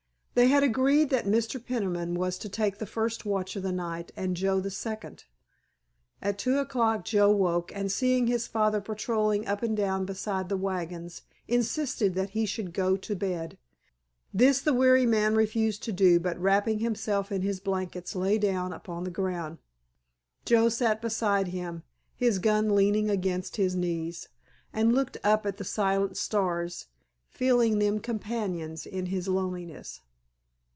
They had agreed that Mr. Peniman was to take the first watch of the night and Joe the second. At two o'clock Joe woke, and seeing his father patrolling up and down beside the wagons insisted that he should go to bed. This the weary man refused to do, but wrapping himself in his blankets lay down upon the ground. Joe sat beside him, his gun leaning against his knees, and looked up at the silent stars, feeling them companions in his loneliness.